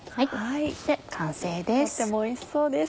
完成です。